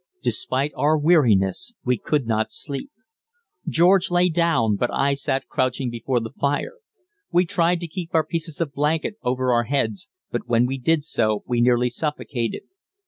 Despite our weariness we could not sleep. George lay down, but I sat crouching before the fire. We tried to keep our pieces of blanket over our heads, but when we did so we nearly suffocated.